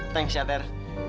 thanks ya ter